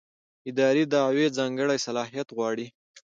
اداري دعوې ځانګړی صلاحیت غواړي.